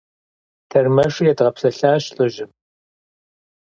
Тэрмэшыр едгъэпсэлъащ лӀыжьым.